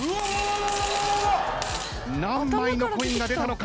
何枚のコインが出たのか？